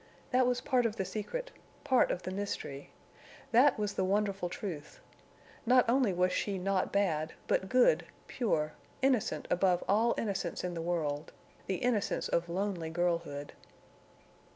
That was part of the secret—part of the mystery. That was the wonderful truth. Not only was she not bad, but good, pure, innocent above all innocence in the world—the innocence of lonely girlhood.